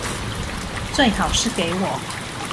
最好是給我